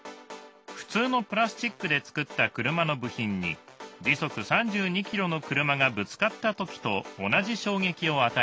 普通のプラスチックで作った車の部品に時速３２ｋｍの車がぶつかった時と同じ衝撃を与えてみます。